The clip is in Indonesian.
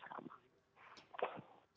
selama bertahan sampai saat ini berarti